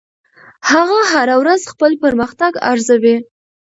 هغه هره ورځ خپل پرمختګ ارزوي.